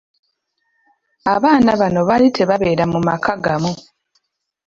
Abaana bano baali tebabeera mu maka gamu.